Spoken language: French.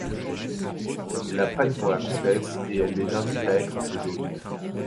Ils la prennent pour la comtesse et elle les invite à être ses hôtes.